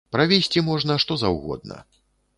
Правезці можна што заўгодна.